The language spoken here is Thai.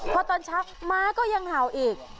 พอตอนชักม้าก็ยังเห่าอีก